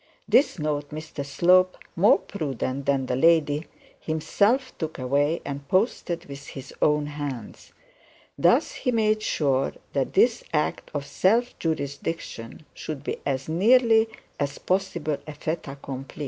This note Mr Slope, more prudent than the lady, himself took away and posted with his own hands. Thus he made sure that this act of self jurisdiction should be as nearly as possible a fait accompli.